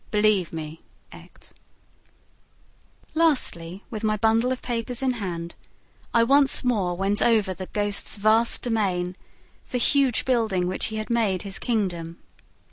Believe me, etc. Lastly, with my bundle of papers in hand, I once more went over the ghost's vast domain, the huge building which he had made his kingdom.